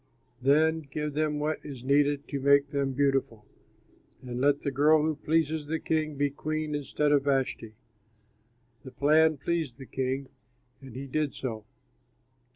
Then give them what is needed to make them beautiful, and let the girl who pleases the king be queen instead of Vashti." The plan pleased the king and he did so.